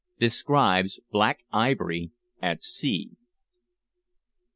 DESCRIBES "BLACK IVORY" AT SEA.